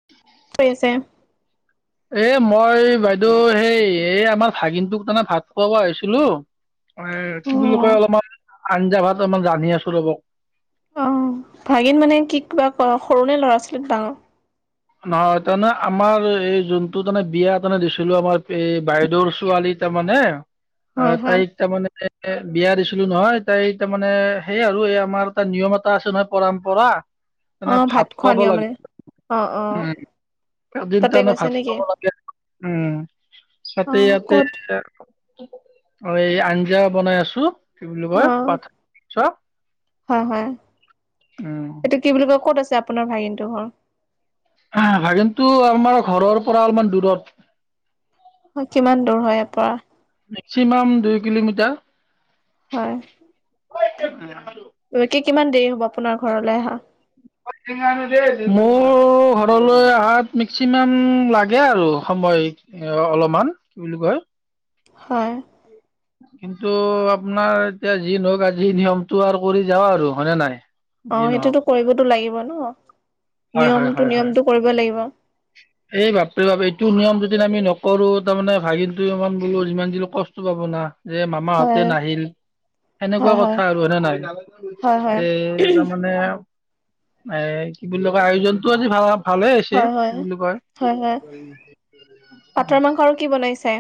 [inaudible] কি কৰি আছে? এই মই বাইদেউ, সেই এই আমাৰ ভাগিনটোক মানে ভাত খোৱাব আহিছিলো। এ, অ কি বুলি কয়, অলপমান আঞ্জা ভাত অলপমান ৰান্ধি আছো ৰব। অ ভাগিন মানে কি কিবা ক, সৰু নে ল'ৰা ছোৱালীত ডাঙৰ? নহয়, তাৰমানে আমাৰ এই যোনটো তাৰমানে বিয়া তাৰমানে দিছিলো, আমাৰ এই বাইদেউৰ ছোৱালীত তাৰমানে, হয় আহ হয় তাই তাৰ মানে এ, বিয়া দিছিলো নহয়, তাই, তাৰমানে সেইয়াই আৰু এই আমাৰ এটা নিয়ম এটা আছে নহয় পৰম্পৰা। মানে আহ, ভাত খোৱা খুৱাব নিয়ম লাগে মানে অ', অ'। এদিন তাতে তাৰমানে গৈছে ভাত নেকি খোৱাব লাগে, উম, অ তাতে ইয়াতে ক'ত অ', এই আঞ্জা বনাই আছো, কি বুলি অ কয় পাঠা মাংস। হয়, হয়, এইটো কি বুলি কয় ক'ত আছে আপোনাৰ ভাগিনটো ঘৰ। ভাগিনটো আমাৰ ঘৰৰ পৰা অলপমান দূৰত। হয়, কিমান দূৰ হয় ইয়াৰ পৰা? মেক্সিমাম দুই কিলোমিটাৰ। হয়। [unintelligible] 'কে কিমান দেৰি হ'ব আপোনাৰ ঘৰলৈ আহা? [unintelligible] মোৰ ঘৰলৈ অহাত মেক্সিমাম লাগে আৰু সময় এ, অলপমান কি বুলি কয় হয়। কিন্তু আপোনাৰ এতিয়া যি নওঁক আজি নিয়মটো আৰু কৰি যাওঁ আৰু, হয়নে নাই? যি অ', নহওক সেইটোতো কৰিবতো লাগিব ন, হয় হয় নিয়মটো, হয় হয় নিয়মটো কৰিব লাগিব। এই বাপৰে বাপ, এইটো নিয়ম যদি আমি নকৰো তাৰমানে ভাগিনটো ইমান বোলো যিমান দিলো কষ্ট পাব না যে হয় মামাহঁতে নাহিল সেনেকুৱা কথা আৰু হয় নে নাই, হয় হয় এ তাৰমানে এ কি বুলি কয়, আয়োজনটো আজি ভাল ভালে হৈছে। হয় কি হয় বুলি কয় হয় হয় পাটৰ মাংস [unintelligible] আৰু কি বনাইছে?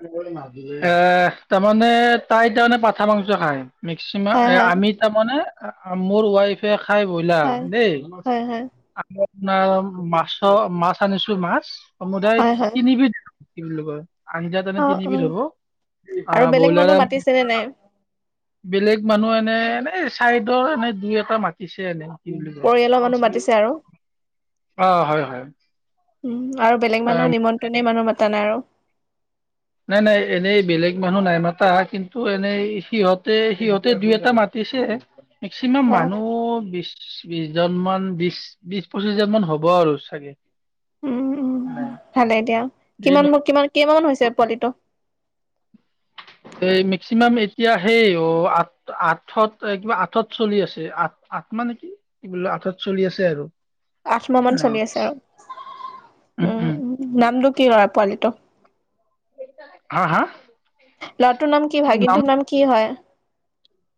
[unintelligible] আহ, এই তাৰমানে তাই তাৰমানে পাঠা মাংস খায়। মেক্সিমাম হয় এ হয় আমি তাৰমানে, মোৰ ৱাইফ এই খাই ব্ৰইলাৰ হয় দেই, হয় হয় আকৌ আপোনাৰ মাছৰ, মাছ আনিছো মাছ, সমুদায় হয় হয় তিনিবিধ কি বুলি কয় আন্জা, অ তাৰমানে অ তিনিবিধ হ'ব, আৰু আহ বেলেগ বৈলাৰ মানুহ মাতিছে নে নাই বেলেগ মানুহ মানে, এনেই চাইডৰ এনে দুই এটা মাতিছে এনে। কি বুলি কয় পৰিয়ালৰ মানুহ মাতিছে আৰু। অ হয় হয় উম আৰু বেলেগ মানুহ নিমন্ত্ৰনি মানুহ মতা নাই আৰু? নাই, নাই, এনেই বেলেগ মানুহ নাই মাতা, কিন্তু এনেই সিহঁতে, সিহঁতে দুই এটা মাত ছে, মেক্সিমাম হয় হয় মানুহ বিশ বিশজন মান বিশ, বিশ পঁচিশজন মান হ'ব আৰু চাগে। নাই। ভালেই দিয়া, কিমান, কিমান কেইমান মান হৈছে পোৱালিটো। এ মেক্সিমাম এতিয়া সেই অ', আঠ আঠত, কিবা আঠত চলি আছে, আঠ, আঠ মানে কি বোলো আঠত চলি আছে আৰু। আঠ মাহ মান নাই চলি আছে আৰু, উম নামটো কি লৰা পোৱালিটো? হা হা? ল'ৰাটো নাম কি, ভাগিনটোৰ নাম কি হয়?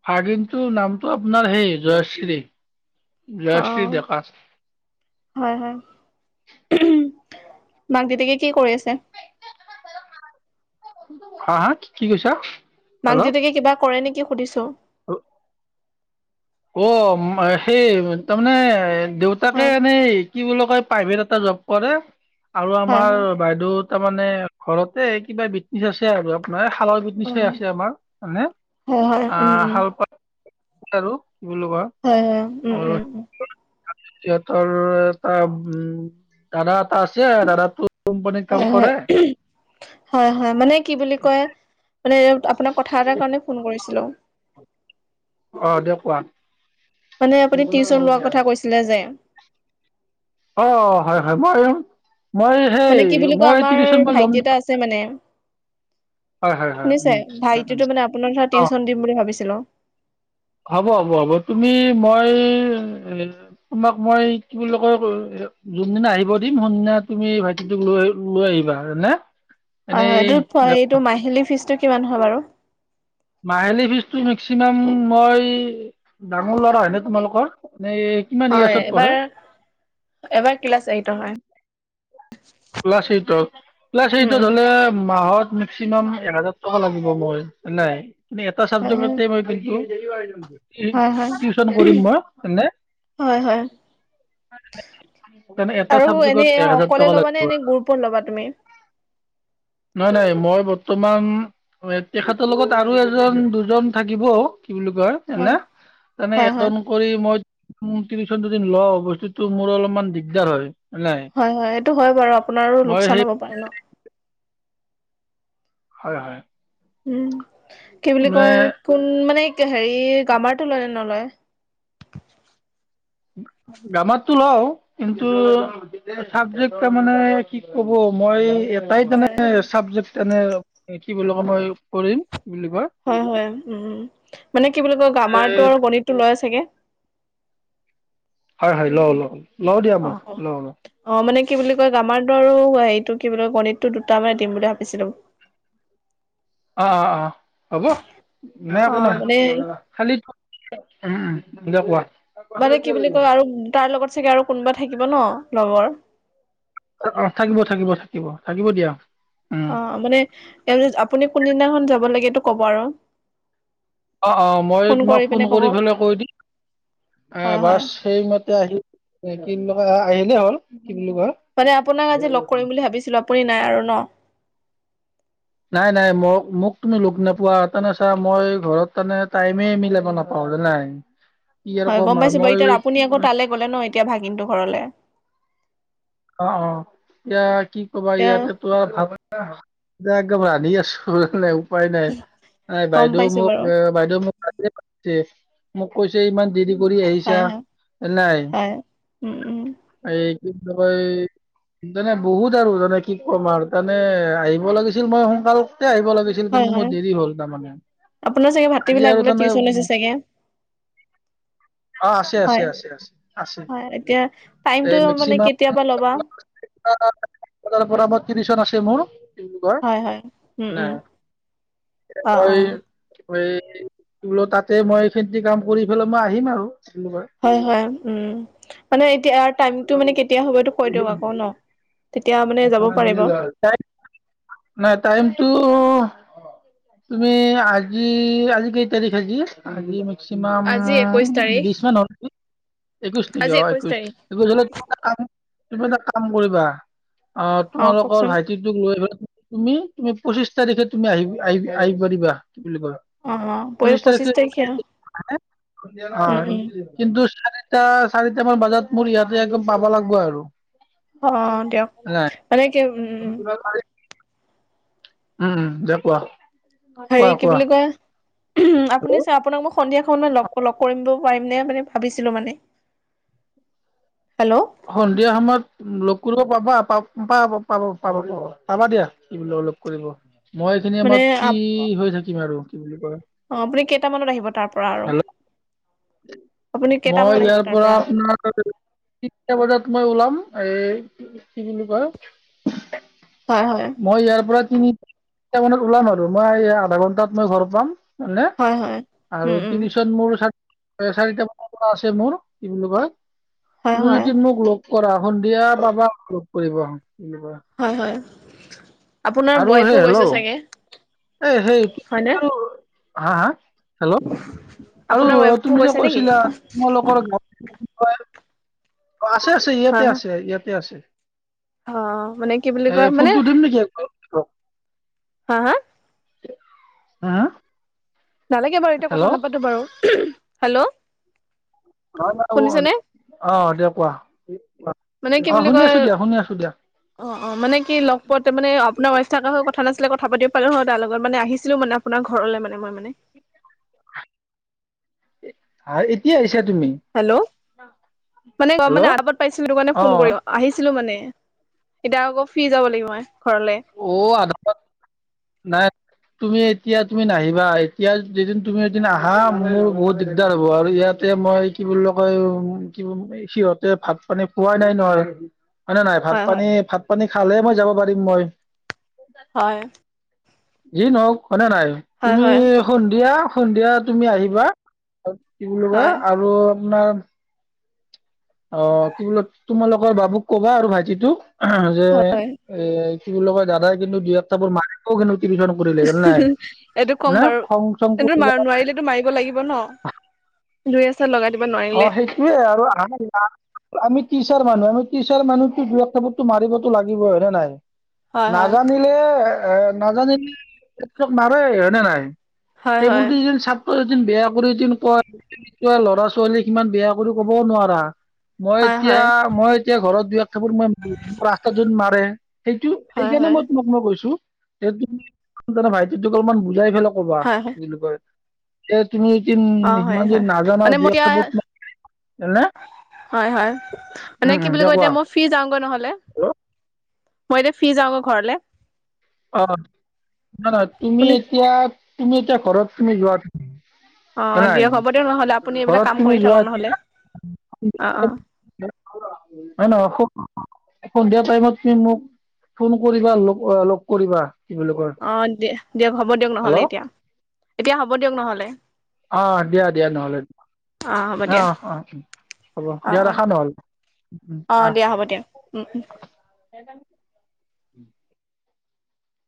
ভাগিনটো নামটো আপোনাৰ সেই জয়শ্ৰী, অ জয়শ্ৰী ডেকা। হয়, হয়, [unintelligible] মাক দেউতাকে কি কৰি আছে? হা, হা, কি কৈছা? মাক দেউতাকে কিবা কৰে নেকি সুধিছো। অ। অ সেই তাৰমানে দেউতাকে হয় এনেই কি বুলি কয় প্ৰাইভেট এটা জব কৰে, আৰু হয় আমাৰ হয় বাইদেউ তাৰ মানে ঘৰতে কিবা [unintelligible] নি আছে আৰু আপোনাৰ, শালৰবিধ নিচয় উম আছে আমাৰ। মানে হয় হয় আ উম উম শালপাত--! আৰু বোলোৱা। হয় হয়, উম উম উম। সিহঁতৰ এটা উম দাদা এটা আছে, দাদাটো কোম্পানীত কাম এহে কৰে হেঃ, উহুম। হয় হয়, মানে কি বুলি কয়? মানে আপোনাক কথা এটাৰ কাৰণে ফোন কৰিছিলো। অ' দে কোৱা মানে আপুনি টিউচন লোৱাৰ কথা কৈছিলে যে। অ অ হয় হয়, মই মই সেই, মই টিউচন মই ল'ম। চে মানে, হয় হয় হয় শুনিছে? উম, উম, ভাইটি উম। টো মানে আপোনাৰ ধৰা অ' টিউচন দিম বুলি ভাবিছিলোঁ। হ'ব হ'ব হ'ব। তুমি মই তোমাক মই কি বুলি কয় [unintelligible] যোনদিনা আহিব দিম, সোনদিনা তুমি ভাইটিটোক লৈ লৈ আহিবা হয়নে? হয় এনেই হয়। এইটো দে- এইটো মাহিলী ফিজটো কিমান হয় বাৰু? মাহেলী ফিজটো মেক্সিমাম মই, ডাঙৰ লৰা হয়নে তোমালোকৰ? মানে হয় এবাৰ, এবাৰ ক্লাছ এইতৰ হয়। ক্লাছ এইতৰ, ক্লাছ উম এইতৰ হলে মাহত মেক্সিমাম একহাজাৰ টকা লাগিব মই, নাই কিন্তু এটা হয় চাবজেক্ট মই হয় কিন্ত হয় টিউচন কৰিম মই এনে। হয় হয় এনে এটা আৰু এনে চাবজেক্টত একহাজাৰ অকলে টকা ল'বা লাগ এনে গুৰুপত ল'বা তুমি? নাই নাই মই বৰ্তমান তেখেতৰ লগত আৰু এজন, দুজন থাকিব, কি বুলি কয়। হয় এনে, তেনে হয় হয় এজন, কৰি মই টিউচন দুদিন লওঁ, বস্তুতটো মোৰ অলপমান দিগদাৰ হয়। হয় নাই? হয় হয়। এইটো হয় বাৰু আপোনাৰো মই সেই লোকচান হ'ব পাৰে ন? হয় হয়। উম কি বুলি মানে কয়, কোন মানে হেৰি গামাৰটো লয় নে নলয়? গামাতটো লওঁ। কিন্তু? চাবজেক্ট তাৰ মানে কি কব মই, তাই মনে হয় [unintelligible] চাবজেক্ট এনে কি বুলি কয় মই কৰিম বুলি কোৱা? হয় হয় উম। মানে কি বুলি কয় এই গামাৰটো আৰু গণিতটো লয় চাগে? হয় হয়, লওঁ লওঁ। লওঁ দিয়া অ মই অ লওঁ লওঁ। অ মানে কি বুলি কয় গামাৰতো আৰু হেৰিটো কি বুলি কয় গণিতটো দুটা মানে দিম বুলি ভাবিছিলো। অ অ অ, হ'ব নাই অ একো নাই। মানে খালি, উম দে কোৱা? মানে কি বুলি কয় আৰু তাৰ লগত চাগে আৰু কোনোবা থাকিব ন লগৰ? অ থাকিব থাকিব থাকিব থাকিব দিয়া। উম অ মানে, আপুনি কোনদিনাখন যাব লাগে এইটো কব আৰু? অঁ অঁ, মই তোমাক ফোন কৰি পেলাই কৈ দিম। আ হয় বাছ। হয় সেইমতে আহি, এ কি বুলি কয় আহিলে হ'ল। কি বুলি কয়। মানে আপোনাক আজি লগ কৰিম বুলি ভাবিছিলো আপুনি নাই আৰু ন। নাই নাই মই মোক তুমি লগ নোপোৱা তেনে চা মই ঘৰত মানে টাইমে মিলাব নাপাওঁ জানাই। কি আৰু হয়, কম গম আৰু পাইছো বাৰু মই এতিয়া আপুনি আকৌ তালে গ'লে ন এতিয়া ভাগিনটো ঘৰলে। অ', অ', এতিয়া কি কবা এতিয়া ইয়াতে তো ভাব একদম ৰান্ধি আছো। উপাই নাই এ গম বাইদেউ পাইছো মোক বাৰু এ বাইদেউ মোক মোক কৈছে ইমান দেৰি কৰি আহিছা হয় হয় নাই হয় উম উম এই কি বুলি কয় তানে বহুত আৰু জানে কি ক'ম আৰু তানে আহিব লাগিছিল মই সোনকাল আহিব লাগিছিল। হয়, কিন্তু মোৰ হয়, দেৰি হ'ল তাৰমানে আপোনাৰ চাগে আজি ভাটিবেলা আৰু আগবেলা তেনে টিউচন হৈছে চাগে? [inaudible] অ আছে আছে হয়, আছে আছে আছে হয়, এতিয়া টাইমতো এই মানে মেক্সিমাম কেতিয়া পৰা ল'বা? [unintelligible] পৰা মোৰ টিউচন আছে মোৰ। হয় হয় উম উম অ অ [inaudible] এই বোলো তাতে মই [unintelligible] কাম কৰি পেলে মই আহিম আৰু [unintelligible] হয়, হয়, উম মানে এতিয়া আৰু টাইমটো মানে কেতিয়া হ'বটো কৈ দিয়ক আকৌ ন। তেতিয়া মানে যাব পাৰিব। নাই টাইমটো তুমি আজি আজি কি তাৰিখ আজি আজি? মেক্সিমাম আজি একৈশ তাৰিখ বিশ মান হ'ল একৈশ নেকি আজি অ' একৈশ। তাৰিখ হ'লে তুমি এটা কাম তুমি এটা কাম কৰিবা অ' তোমালোকৰ ভাইটি লৈ পেলাই তুমি তুমি পঁচিশ তাৰিখে তুমি আহিব আহিবা আহিব দিবা কি বুলি কোৱা। অ অ পৰি পঁচিছ পঁচিশ তাৰিখে [unintelligible] উম উম অ'। কিন্তু চাৰিটা চাৰিটা মান বজাত মোৰ ইয়াতে একদম পাব লাগিব আৰু। অ', দিয়ক নাই মানে কি উম উম উম। উম, উম, দে কোৱা। কোৱা হেৰি কি কোৱা বুলি কয় আপুনি হেল্ল'। চাৰ আপোনাক মই সন্ধিয়া সময়ত মই লগ লগ কৰিব পাৰিম নে মানে ভাবিছিলো মানে হেল্ল'! সন্ধিয়া সময়ত লগ কৰিব পাবা পা-পাবা পাব পাব পা পাবা দিয়া। কি বোলে লগ কৰিব মই এইখিনি মানে আমাৰ ফ্ৰী আপ হৈ থাকিম আৰু কি বুলি কয়। অ', আপুনি কেইটামানত আহিব তাৰ পৰা আৰু? হেল্ল' আপুনি মই কেইটামানত আহিব ইয়াৰ তাৰ পৰা আপোনাৰ তিনিটা বজাত মই ওলাম এ কি বুলি কয়। হয়, হয়। মই ইয়াৰ পৰা তিনি তিনিটা মানত ওলাম আৰু মই আধা ঘণ্টাত মই ঘৰ পাম। মানে হয় হয় আৰু উম উম টিউচন মোৰ এ চাৰিটা মানৰ পৰা আছে মোৰ কি বুলি কয়। হয় তুমি হয় যদি মোক লগ পৰা সন্ধিয়া পাবা লগ কৰিবা। হয়, হয়। আপোনাৰ আৰু ৱাইফো সেই গৈছে হেল্ল' চাগে এ সেই হয়নে আৰু হা হা হেল্ল' আৰু আপোনাৰ ৱাইফো তুমি যে গৈছে নেকি কৈছিলা তোমালোকৰ হয়, আছে আছে হা ইয়াতে হা আছে ইয়াতে আছে। অ', মানে কি বুলি এ কয় মানে ফোনটো দিম নেকি আকৌ। হা হা? হা হাঁ। নালাগে বাৰু এতিয়া কথা নাপাতো বাৰু, হেল্ল। নহয় নহয় শুনিছেনে অ, অঁ দিয়া কোৱা। মানে কি অ বুলি শুনি কয়, আছো দিয়া শুনি আছো দিয়া অঁ অ, মানে কি লগ পোৱাতে মানে আপোনাৰ উৱাইফ থকা হৈ কথা নাছিলে কথা পাতি পালো হয়, তাৰ লগত মানে আহিছিলো মানে আপোনাৰ ঘৰলৈ মানে মই মানে। হাঁ এতিয়া আহিছা তুমি। হেল্ল, মানে অ মানে হেল্ল' আৰাপত পাইছিলো তোৰ কাৰণে অ ফোন কৰিলোঁ। আহিছিলো মানে এতিয়া আকৌ ফ্ৰী যাব লাগিব মই ঘৰলে। অ, আৰোপত নাই। তুমি এতিয়া তুমি নাহিবা, এতিয়া যদি তুমি এদিন আহা মোৰ বহুত দিগদাৰ হ'ব। আৰু ইয়াত তেয় মই কি বুলি কয় উম কি সিহঁতে ভাত পানী খোৱাই নাই নহয়। হয় নে নহয় ভাত পানী ভাত পানী খালে মই যাব পাৰিম মই হয়। যি নহওঁক হয়নে নাই, হয় তুমি হয় সন্ধিয়া সন্ধিয়া তুমি আহিবা। আৰু কি বুলি কয় হয় আৰু আপোনাৰ অ, কি বোলে তোমালোকৰ বাবুক কবা আৰু ভাইটিটোক, যে হয় এ কি বুলি কয় দাদাই কিন্তু দুই এক থাপ্পড় মাৰিব কিন্তু টিউছনত। কৰিলে জানা নাই, এইটো ক'ম হয়নে বাৰু খং চং এইটো কৰিব মাৰ নোৱাৰিলেতো মাৰিব লাগিব ন, দুই এচাট লগাই দিব নোৱাৰিলে এয়ে আৰু আৰমত আমি টিচাৰ মানুহ আমি টিচাৰ মানুহ তো দুই এক থাপ্পৰ মাৰিবতো লাগিবই হয়নে নাই। হয় হয় নাজানিলে এ নাজানিলে এইটো মাৰে হয়নে নাই। হয় হয় সেইবুলি যে ছাত্ৰ বেয়া কৰি যে কয়, ক ল'ৰা ছো ৱালীক সিমান বেয়া কৰি ক'বও নোৱাৰা, মই হয় এতিয়া হয় মই এতিয়া ঘৰত দুই এক থাপ্পৰ মই ৰাস্তা যোন মাৰে, সেইটো হয় সেইকাৰণে হয় মই তোমাক মই কৈছো সেইটো তুমি ভাইটিটোক অলমান বুজাই ফেলাই কবা। হয় কি হয় বুলি কয়। এ তুমি যদি অ হয় ইমান যদি হয় নাজানা মানে মই দুই এক এতিয়া থাপৰ নে হয় হয়, মানে উম কি উম বুলি দিয়া কয় কোৱা এতিয়া মই ফ্ৰি যাওঁগৈ নহ'লে, মই এতিয়া ফ্ৰি যাওঁগৈ ঘৰলে। অ নহয় নহয়, তুমি আপুনি এতিয়া তুমি এতিয়া ঘৰত তুমি যোৱা [inaudible] [unintelligible] অ দিয়ক হ'ব দিয়ক নহ'লে আপুনি এইবিলাক কাম কৰি থাকক নহ'লে অ অ হয় নহয়, সন্ধিয়া টাইমত তুমি মোক ফোন কৰিবা লগ কৰিবা। কি বুলি কয় অঁ দে দিয়ক হ'ব দিয়ক নহ'লে হেল্ল' এতিয়া, এতিয়া হ'ব দিয়ক নহলে।। অঁ দিয়া দিয়া নহ'লে। অ হ'ব দিয়া অঁ অঁ' হ'ব। অ দিয়া অ ৰখা নহ'লে। উম অ আহ। দিয়া হ'ব দিয়া উম উম। [unintelligible] [inaudible]